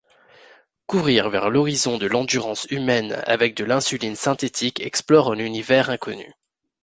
Courir vers l'horizon de l'endurance humaine avec de l'insuline synthétique explore un univers inconnu.